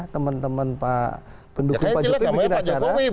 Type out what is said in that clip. teman teman pendukung pak jokowi bikin acara